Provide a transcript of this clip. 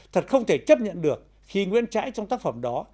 thật không thể chấp nhận được khi nguyễn trãi trong tác phẩm đó